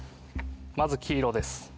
まず黄色です。